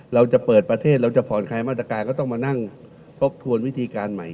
เราจะเปิดประเทศเราจะผ่อนคลายมาตรการก็ต้องมานั่งทบทวนวิธีการใหม่